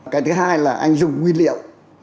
cái thứ hai là anh dùng nguyên liệu